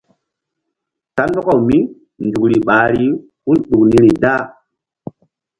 Kandɔkaw mí nzukri ɓahri hul ɗuk niri da.